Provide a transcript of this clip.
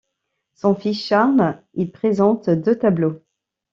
Son fils Charles y présente deux tableaux.